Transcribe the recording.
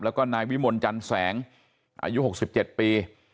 แล้วก็นายวิมลจันแสงอายุ๖๗ปี